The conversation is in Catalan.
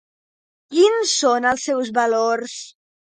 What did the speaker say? Quins són els seus valors?